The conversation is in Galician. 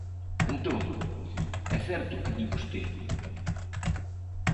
Entón, é certo o que di vostede.